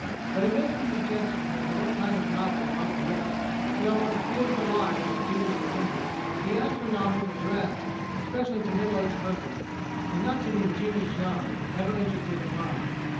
But in making suggestions as to what kind of novels might be written he almost gives the lie to his previous opinions. He asks for novels addressed especially to middle aged persons, and not to the ingenuous young, ever interested in love.